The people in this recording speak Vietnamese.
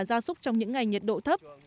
gia súc trong những ngày nhiệt độ thấp